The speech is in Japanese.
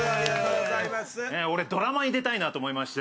俺、ドラマに出たいなと思いまして。